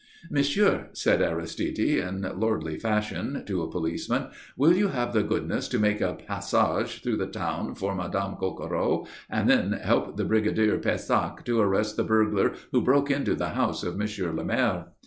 "Monsieur," said Aristide, in lordly fashion, to a policeman, "will you have the goodness to make a passage through the crowd for Madame Coquereau, and then help the Brigadier Pésac to arrest the burglar who broke into the house of Monsieur le Maire?"